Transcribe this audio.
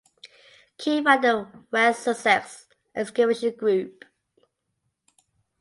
Keef ran the West Sussex excavation group.